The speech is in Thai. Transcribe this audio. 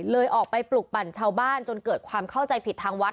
ออกไปปลุกปั่นชาวบ้านจนเกิดความเข้าใจผิดทางวัด